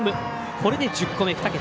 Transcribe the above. これで１０個目、２桁。